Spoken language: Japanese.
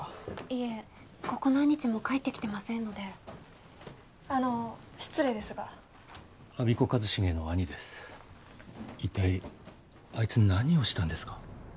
いえここ何日も帰ってきてませんのであの失礼ですが我孫子和重の兄です一体あいつ何をしたんですか？